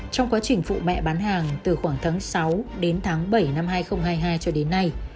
trong quá trình phụ mẹ bán hàng từ khoảng tháng sáu đến tháng bảy năm hai nghìn hai mươi hai cho đến nay